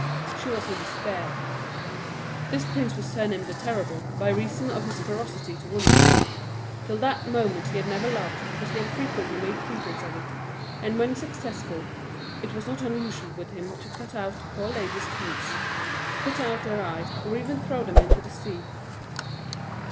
She was in despair. This prince was surnamed the Terrible, by reason of his ferocity to women: till that moment he had never loved, but he had frequently made pretence of it, and when successful, it was not unusual with him to cut out the poor ladies' tongues, put out their eyes, or even throw them into the sea.